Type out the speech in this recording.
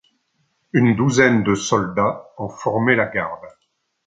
Une douzaine de soldats en formaient la garde.